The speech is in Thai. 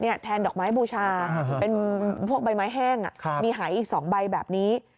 แทนดอกไม้บูชาเป็นพวกใบไม้แห้งมีหายอีก๒ใบแบบนี้